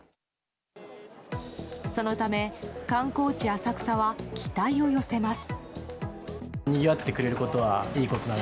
そのため、観光地・浅草は期待を寄せます。